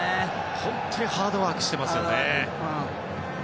本当にハードワークしています。